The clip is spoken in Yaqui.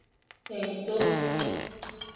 –Jeʼitu.